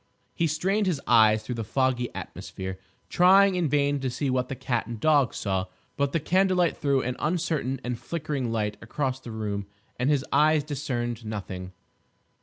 He strained his eyes through the foggy atmosphere, trying in vain to see what the cat and dog saw; but the candlelight threw an uncertain and flickering light across the room and his eyes discerned nothing.